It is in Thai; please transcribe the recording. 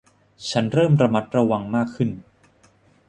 ฉันเริ่มระมัดระวังมากขึ้น